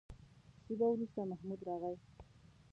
شېبه وروسته محمود راغی.